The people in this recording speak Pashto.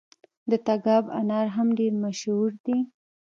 د تګاب انار هم ډیر مشهور دي.